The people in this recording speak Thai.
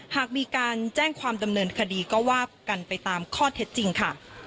หากมีการแจ้งความดำเนินคดีก็ว่ากันไปตามข้อเท็จจริงค่ะ